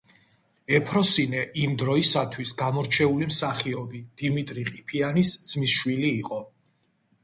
ეფროსინე, იმ დროისათვის გამორჩეული მსახიობი, დიმიტრი ყიფიანის ძმისშვილი იყო.